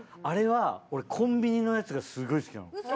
あれは俺コンビニのやつがすごい好きなの。